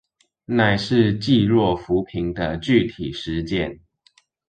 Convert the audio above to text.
乃是濟弱扶貧的具體實踐